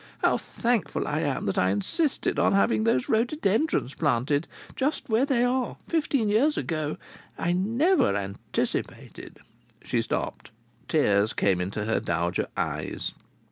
How thankful I am that I insisted on having those rhododendrons planted just where they are fifteen years ago! I never anticipated " She stopped. Tears came into her dowager eyes.